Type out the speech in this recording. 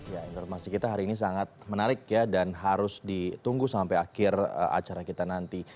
ya informasi kita hari ini sangat menarik ya dan harus ditunggu sampai akhir acara kita nanti